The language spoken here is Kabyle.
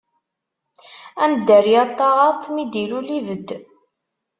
Am dderya n taɣaṭ, mi d-ilul, ibedd.